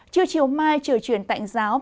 trưa chiều mai trời truyền tạnh giáo